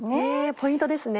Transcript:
ポイントですね